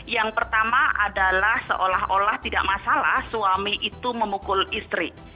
yang pertama adalah seolah olah tidak masalah suami itu memukul istri